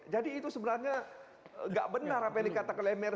jadi itu sebenarnya nggak benar apa yang dikata kelemir